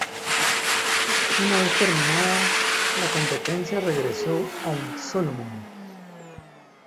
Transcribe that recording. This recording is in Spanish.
Una vez terminada la competencia, regresó al Solomon.